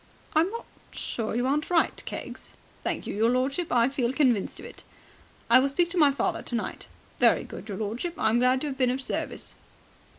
" I'm not sure you aren't right, Keggs." "Thank you, your lordship. I feel convinced of it." "I will speak to my father tonight." "Very good, your lordship. I am glad to have been of service."